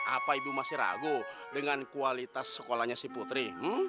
apa ibu masih ragu dengan kualitas sekolahnya si putri